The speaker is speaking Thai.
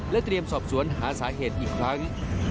เตรียมสอบสวนหาสาเหตุอีกครั้ง